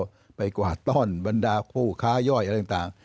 ก็ไปกวาดต้อนบรรดาคู่ค้าย่อยอะไรต่าง